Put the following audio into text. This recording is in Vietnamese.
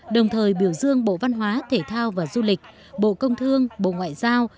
đồng thời biểu dương bộ văn hóa thể thao và du lịch bộ công thương bộ ngoại giao